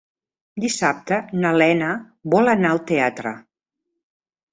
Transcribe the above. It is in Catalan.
Dissabte na Lena vol anar al teatre.